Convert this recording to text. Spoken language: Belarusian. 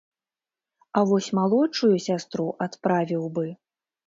А вось малодшую сястру адправіў бы.